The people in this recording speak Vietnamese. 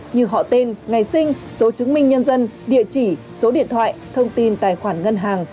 như họ tên ngày sinh số chứng minh nhân dân địa chỉ số điện thoại thông tin tài khoản ngân hàng